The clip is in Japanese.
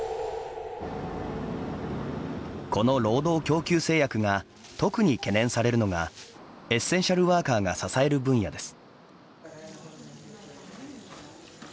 この労働供給制約が特に懸念されるのがエッセンシャルワーカーが支える分野です。